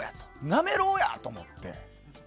なめろうや！って思って。